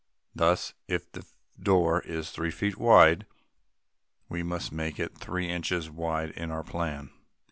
Thus, if the door is three feet wide, we must make it three inches wide in our plan.